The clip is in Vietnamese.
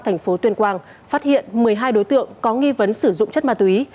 thành phố tuyên quang phát hiện một mươi hai đối tượng có nghi vấn sử dụng chất ma túy